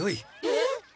えっ？